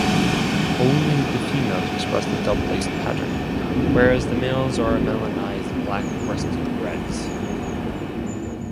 Only the females express the double-laced pattern, whereas the males are melanized black-breasted reds.